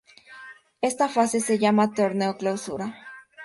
Esta fase se llama Torneo Clausura.